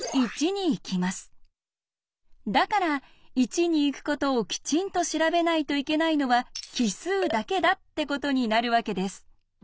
だから１に行くことをきちんと調べないといけないのは奇数だけだってことになるわけです。